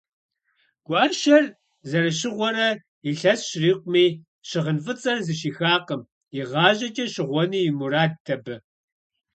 Гуащэр зэрыщыгъуэрэ илъэс щрикъуми, щыгъын фӏыцӏэр зыщихакъым: игъащӏэкӏэ щыгъуэну и мурадт абы.